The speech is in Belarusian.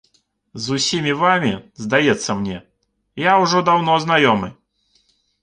З усімі вамі, здаецца мне, я ўжо даўно знаёмы.